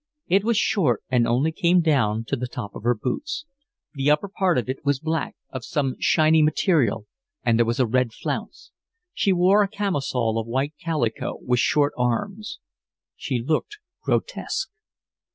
It was short and only came down to the top of her boots; the upper part of it was black, of some shiny material, and there was a red flounce. She wore a camisole of white calico with short arms. She looked grotesque.